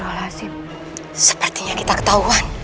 kenapa kamu sendiri pun mempersegakannya sekarang